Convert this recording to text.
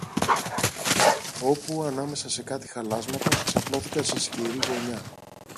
Όπου, ανάμεσα σε κάτι χαλάσματα, ξαπλώθηκαν σε σκιερή γωνιά